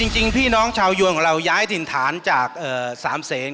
จริงพี่น้องชาวยวนของเราย้ายถิ่นฐานจาก๓เสน